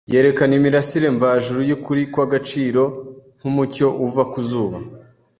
Yerekana imirasire mvajuru y’ukuri kw’agaciro, nk’umucyo uva ku zuba.